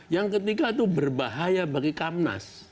yang ketiga itu berbahaya bagi kamnas